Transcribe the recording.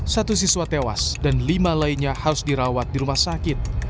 satu siswa tewas dan lima lainnya harus dirawat di rumah sakit